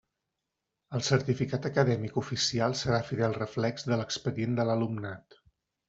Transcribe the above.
El certificat acadèmic oficial serà fidel reflex de l'expedient de l'alumnat.